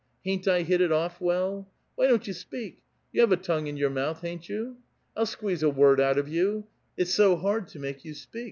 Hain't I hit it olt* well ? Why don't 3'ou speak ? You have a tongue in your mouth, hain't you? I'll squeeze a word out of you ! It's so hard to make 3'ou speak.